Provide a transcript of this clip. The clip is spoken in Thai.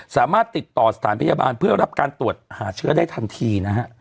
สามารถติดต่อสถานพยาบาลเพื่อรับการตรวจหาเชื้อได้ทันทีนะฮะ